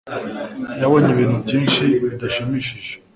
yabonye ibintu byinshi bidashimishije